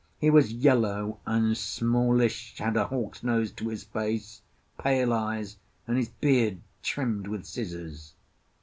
He was yellow and smallish, had a hawk's nose to his face, pale eyes, and his beard trimmed with scissors.